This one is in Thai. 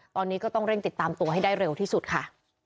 ตอนนี้ก็ต้องเร่งติดตามตัวให้ได้เร็วที่สุดค่ะ